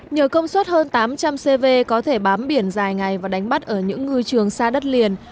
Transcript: nhờ công suất hơn tám trăm linh cv có thể bám biển dài ngày và đánh bắt ở những ngư trường xa đất liền